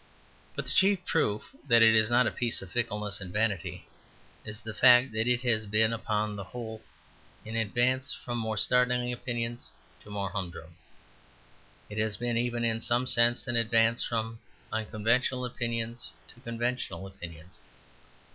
But the chief proof that it is not a piece of fickleness and vanity is the fact that it has been upon the whole an advance from more startling opinions to more humdrum opinions. It has been even in some sense an advance from unconventional opinions to conventional opinions.